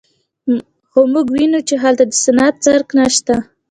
خو موږ ویني چې هلته د صنعت څرک نشته